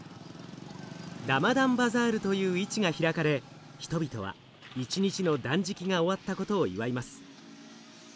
ラマダンバザールという市が開かれ人々は一日の断食が終わったことを祝います。